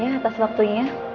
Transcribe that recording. terima kasih tuhan